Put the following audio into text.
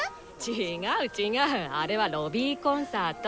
違う違うあれはロビーコンサート。